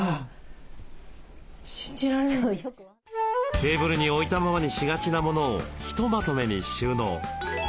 テーブルに置いたままにしがちなモノをひとまとめに収納。